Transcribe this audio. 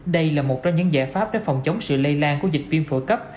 đây là một trong những giải pháp để phòng chống sự lây lan của dịch viêm phổi cấp